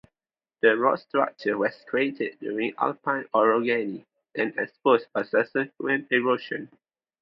The rock structure was created during the Alpine orogeny and exposed by subsequent erosion.